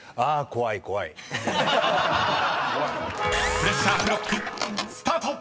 ［プレッシャークロックスタート！］